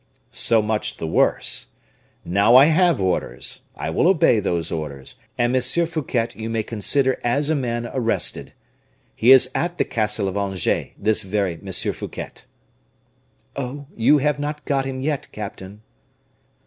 So much the worse! Now I have orders, I will obey those orders, and M. Fouquet you may consider as a man arrested. He is at the castle of Angers, this very M. Fouquet." "Oh! you have not got him yet, captain."